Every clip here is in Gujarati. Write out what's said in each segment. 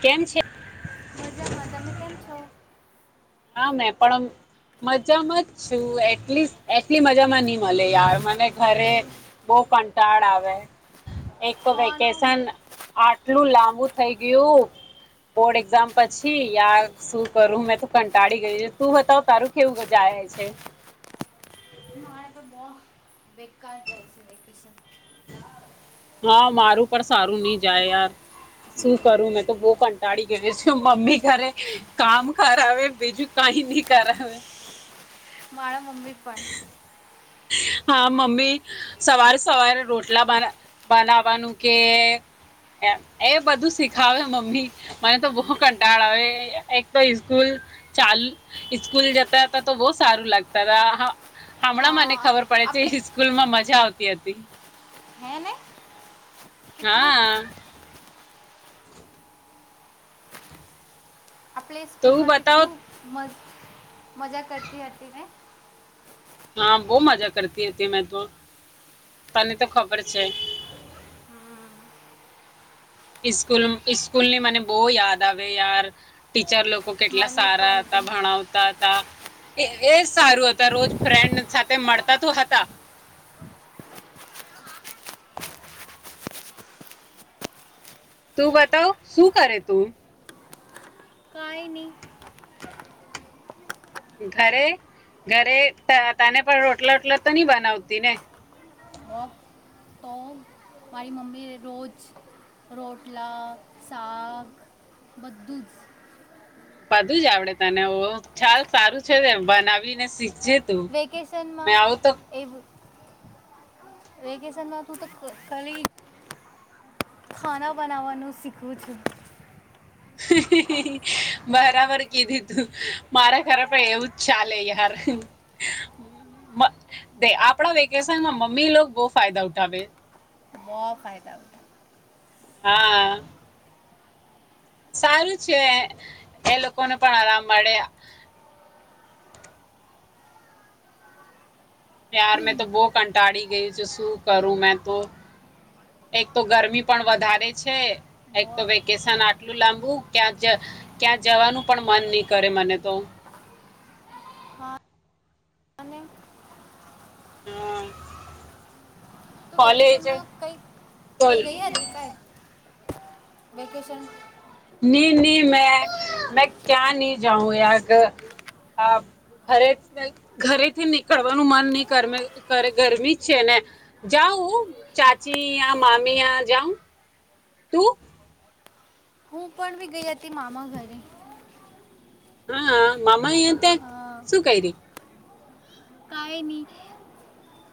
કેમ છે? મજામાં. તમે કેમ છો? હા મેં પણ મજામાં જ છું. એટલીસ એટલી મજામાં નહીં મળે યાર. મને ઘરે બો કંટાળ આવે. એક તો હા ના હું વેકેશન આટલું લા હું થઈ ગયું? બોર્ડ એક્ઝામ પછી યાર, શું કરું મે કંટાળી ગય, તું બતાવ તારું કેવું જાય છે? મારે તો બહુ બેકાર જાય છે વેકેશન. હા, મારું પણ સારું નઈ જાય યાર. શું કરું મેં તો બહ કંટાળી ગયો છે. મમ્મી ઘરે કામ કરાવે બીજું કાંઈ નહીં કરાવે. મારા મમ્મી પણ. હા, મમ્મી સવારે-સવારે રોટલા બના બનાવાનું કે, એ-એ બધું શીખાવે મમ્મી. મને તો બો કંટાળ આવે. એ-એક તો ઈ સ્કૂલ ચાલ ઈ સ્કૂલ જતા હતા, તો બહુ સારું લાગતા હતા. હા-હમણાં મને હા ખબર પડે આપણે છે સ્કૂલ માં મજા આવતી હતી. હે ને કેટલું હા. આપણે તું સ્કૂલમાં બતાવ કેટલું મ મજા કરતી હતી ને? હા, બહુ મજા કરતી હતી મેં તો. તને તો ખબર છે. ઈ સ્કૂલ ઈ સ્કૂલની મને બો યાદ આવે યાર ટીચર લો લોકો કેટલા મને સારા પણ હતા, બી ભણાવતા હતા. એ જ સારું હતું આ રોજ ફ્રેન્ડ સાથે મળતા તો હતા. તું બતાવ, શું કરે તું? કાંઈ નહીં ઘરે-ઘરે ત-તને પણ રોટલા-વોટલા તો ની બનાવતી ને? બહુ તો મારી મમ્મી રોજ રોટલા શાક બધું જ - બધું જ આવડે તને ઓહ. ચાલ સારું છે ને બનાવીને શી વેકેશનમાં એવ વેકેશનમાં તું તો ક -કળી ખાના બનાવાનું શીખવું છું. બરાબર કીધી તું મારા ખરે પણ એવું જ ચાલે યાર આપણા વેકેશનમાં મમ્મી લોકો બહુ ફાયદા ઉઠાવે બ ફાયદા ઉ હા સારું છે, એ લોકોને પણ આરામ મળે, ત્યાર મેં તો બહુ કંટાળી ગયું છે, શું કરું મેં તો એક તો ગરમી પણ વધારે છે, એક બહુ તો વેકેશન આટલું લાંબુ ક્યાં ક્યાં જવાનું પણ મન નહી, કરે મને તો હા અને હમ્મ તું વેકેશનમાં કઈ કઈ ગઈ હતી, કઈ વેકેેશન ની નહી મેં મેં ક્યાં નહી, જાઉં યાગ ઘરે ઘરેથી નીકળવાનું મન નહ ગરમી જ છે, ને જાઉ ચાચી મામીયાં જાઉં તું? હું પણ બી ગયા તે મામા ઘરે હા, મામા અ ત્યાં શું કર્યું? કઈ નહી,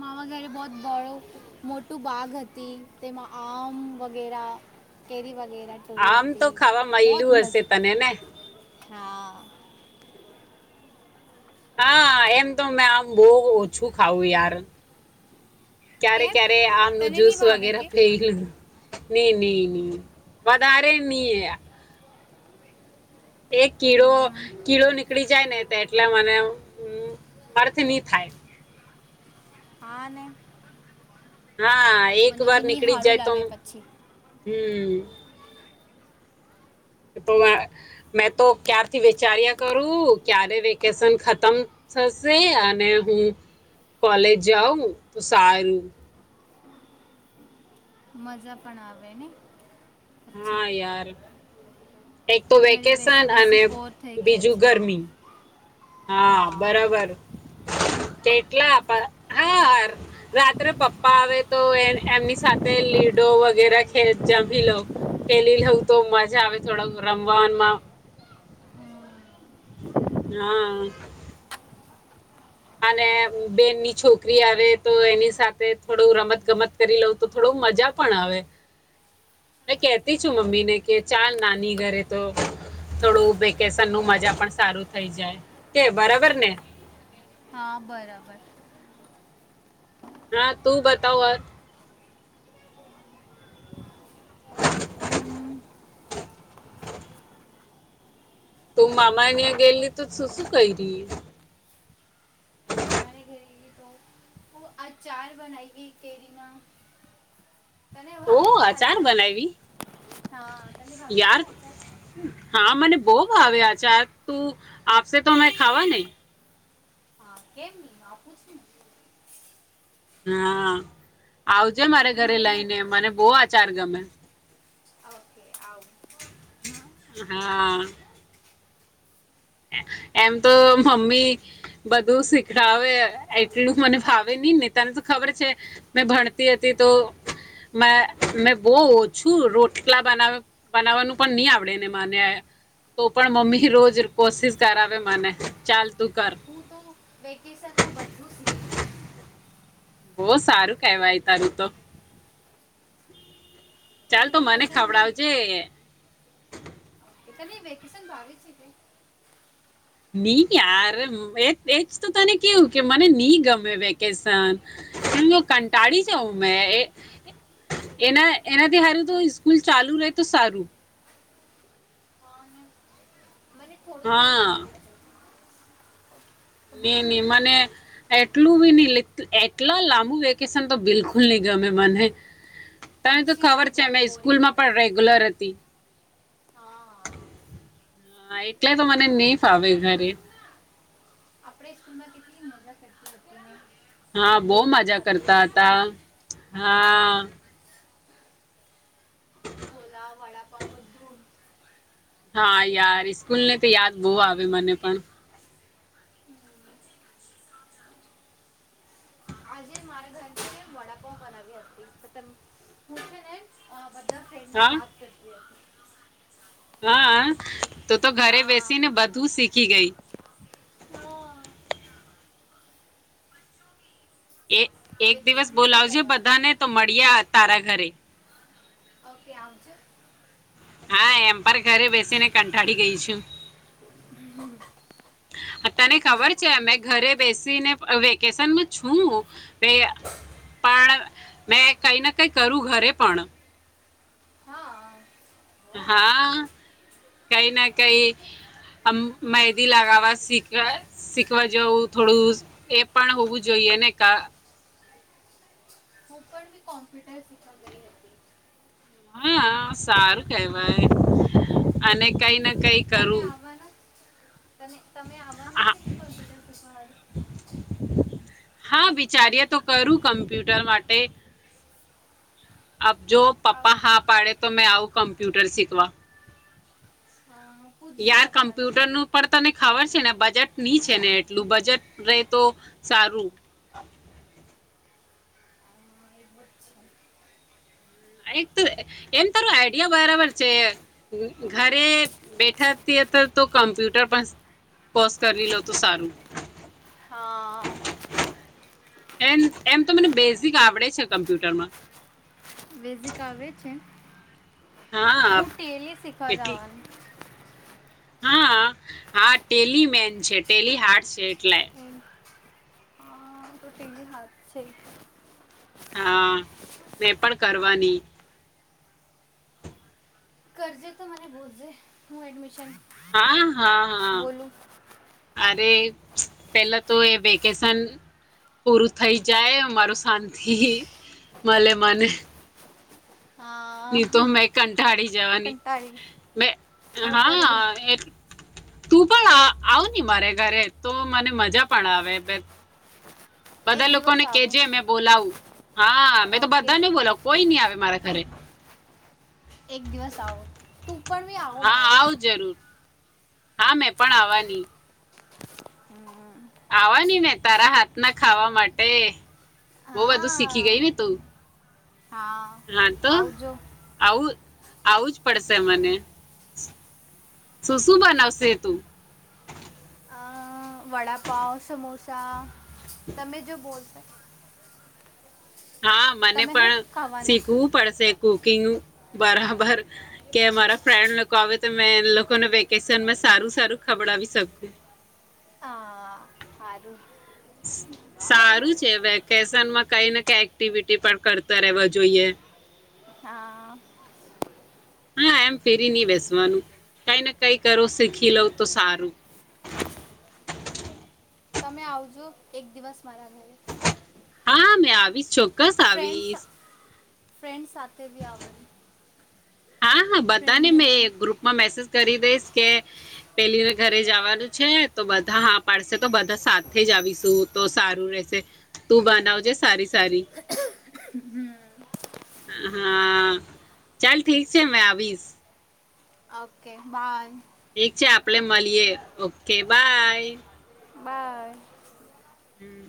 મામા ઘરે બહો મોટું બાગ હતી, તેમાં આમ વગેરા કેરી વગ આમ તો ખાવા મળલું હશે મજા તને ને હા હા, એમ તો મેં આમ બહ ઓછું ખાવું યાર ક્યારે કેમ ક્યારે આમ ન તને જુસ નહીં ભાવે વગેરે કે ફેલું નહી નહી નહી વધારે નહી, એ એક કીડો કીડો નીકળી જાય ને એટલે મને મર્થ નહી, થાય હા ને હા એક મને વાર બી નહીં નીકળી સારું જાય તોમ લાગે પછી હમ્મ હમ્મ તો મેં તો ક્યારથી વિચાર્યા કરું ક્યારે વેકેશન ખતમ થશે, અને હું કોલેજ જાઉં તો સારું મજા પણ આવે ને પછી હા યાર એક તો ઘરે બેસી વેકેશન અને બેસી બોર થઈ ગયા બીજું છે ગરમી. હા બરોબર. કેટલા [unintelligible] હાર રાત્રે પપ્પા આવે તો એ એમની સાથે લીડો વગેરે ખેલ જમી લઉ ખેલી લઉં તો મજા આવે થોડ રમવામાં. હા. અને બેનની છોકરી આવે તો એની સાથે થોડું રમત ગમત કરી લઉં તો થોડું મજા પણ આવે મે કેતી છું મમ્મીને કે ચાલ નાની ઘરે તો થોડું વેકેશન નું મજા પણ સારું થઈ જાય કે બરાબર ને. હા બરાબર. હા તું બતાવ અ. તું મામા અિયાં ગયેલલી તો શું શું કયરી. અચાર બનાઈ ગઈ કેરીમાં. તને ઓ ભાવ કે અચાર આચાર બનાવી હા તને ભાવ કે યાર આચાર. હા મને બહવ આવે આચાર તું આપશે તો અમે ખાવા નને. હા કેમ ની આપું શું. હા. આવજે મારે તું ઘરે ઘર લઈને મને બહ આ ચાર ગમે. આવ. હા. એમ તો મમ્મી બધું શીખડાવે એટલું મને ભાવે નહી ને તને તો ખબર છે મેં ભણતી હતી તો મેં બહ ઓછું રોટલા બના બનાવવાનું પણ નહી આવડે ને મને તો પણ મમ્મી રોજ કોશિશ કરાવે મને ચાલ. તું કર હું તો વેકેશનમાં બધું શીખી. ગયા બહ સારું કેવાય તારું તો. ચાલ તો મને વેકેશન બી ખવડાવજે. એને વેકેશન ભાવ છે કે? ની યાર એજ તો તને કેવું કે મને ની ગમે વેકેશન જો કંટાળી જાવં મે એ એનાથી હારું તો સ્કૂલ ચાલુ રહે તો સારું. હા, ને મને થોડુંક થોડુંક હા. ભાવે છે તો બી નઈ ની મને એટલું બી નહ એટલા લાંબુ વેકેશન તો બિલકુલ ની ગમે મને. તને તો પછી ખબર મને છે બહુ મે સ્કૂલ બોરિંગ માં થાય પણ રેગ્યુલર હતી. છે હા હા એટલે તો મને નહી ફાવે ઘરે. અપડે સ્કૂલમાં કેટલી મજા કરતા [unintelligible] હા બહુ મજા કરતા હતા. હા. લા વાડાપાવ બધું. હા યાર સ્કૂલ ને તો યાદ બહુ આવે મને પણ. આજે મારા ઘર વડાપાવ બનાવી હતી [unintelligible] હને છે ને બધા ફ્રેન્ડ ના હા યાદ કરતી હતી. હા તો તો ઘરે હા બેસીને બધું શીખી ગઈ. હા એ એક દિવસ વેકેશનમાં શું બોલાવજે કરવાનું બધાને તો મળીએ તારા ઘરે. ઓકે આવજો. હા એમ. અરે ઘરે બેસીને કંટાળી ગઈ છું. આહ તને ખબર છે મેં ઘરે બેસીને અહ વેકેશનમાં છું વે પણ મેં કઈ ના કઈ કરું ઘરે પણ. હા બહુ સારું. હા કઈ ના કઈ અમ્મ મહેદી લગાવવા શીખવા શીખવા જવું થોડું એ પણ હોવું જોઈએ ને કા હું પણ બી કોમ્પ્યુટર શીખવા ગઈ હતી. હા સારું કહેવાય અને કઈ ને કંઈ તમે કરું આવવાના તમે-તમે આવવાના હા છે કોમ્પ્યુટર શીખવાળું? હા, બિચારીએ તો કરું કમ્પ્યુટર માટે અબ જો આવું પપ્પા હા પાડે તો મે આઉ કમપ્યુટર સીખવા. અ, પૂછજે યાર પપ્પાને કમ્પ્યુટર નું પણ તને ખબર છે ને બજટ ની છે ને એટલું બજેટ રે તો સારું. હમ્મ એક તો એમ તારું આઈડિયા બરાબર છે અહ અહ ઘરે બેઠા તે તો કમ્પ્યુટર પણ કોર્સ કરી લો તો સારું. હા. એમ એમ તો મને બેઝિક આવડે છે કમ્પ્યુટરમાં. વેઝિક આવડે છે? હા હું ટેલી શીખવા જવાની. હાઆ. હા ટેલી મેન છે, ટેલી હાર્ટ છે એટલે. એમ હા તો ટેલી હાથ છે. હા, મેં પણ કરવાની. કરજે તો મને બોલઝે હું એડમિશન હા, હા, હા. બોલું અરે પેલા તો એ વેકેશન પૂરું થઈ જાય મારુ શાંતિ મલે મને. હા ની મેં તો કં ટાળી જવાની. કંટાળી મેં હું પણ હા બી એ તું પણ આ-આવ ની મારે ઘરે તો મને મજા પણ આવે બે એક બધા દિવસ લોકોને આવું કેજે મેં બોલાવું. હા મે તો ઓકે બધાને બોલાવ કોઈ નહી આવે મારા ઘરે. એક દિવસ આવો તું પણ બી આવો હા, મારા આવ ઘરે જરૂર. હા, મેં પણ આવાની. આવાની ને તારા હાથના ખાવા માટે. બહુ બધું શીખી હા ગયું ને તું? હા તો આવજો આવું આવું જ પડશે મને. શું શું બનાવશે તું? અહ વડાપાવ, સમોસા તમે જો બોલશે હા, મને પણ ખાવાના શીખવું પડશે. કુકિંગ બરાબર કે મારા ફ્રેન્ડ લોકો આવે તો મે એન લોકોને વેકેશનમાં સારું સારું ખવડાવી શકું. હા સારું સારું છે વેકેશનમાં કઈ ને કઈ એક્ટિવિટી પણ કરતા રહેવા જોઈએ. હા હા એમ ફેરી નહીં બેસવાનું કાઈને કાઈ કરો શીખી લો તો સારું. તમે આવજો એક દિવસ મારા ઘર હા મેં આવીશ ચોક્ ક્કસ આવીશ. ફ્રેન્ડસ સાથે બી આવાનું. હા હા બધાને મેં ગ્રુપમાં મેસેજ કરી દઈશ કે પેલીને ઘરે જવાનું છે તો બધા હા પાડશે તો બધા સાથે જ આવીશું તો સારું રેહશે તું બનાવજે સારી સારી હા, ચાલ ઠીક છે મેં આવીશ. Okay bye. ઠીક છે આપલે મળીએ ઓકે બાય. બાય. હમ્મ.